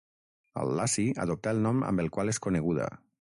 Al Laci adoptà el nom amb el qual és coneguda.